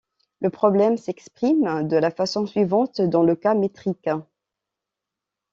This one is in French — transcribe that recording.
Le problème s'exprime de la façon suivante dans le cas métrique.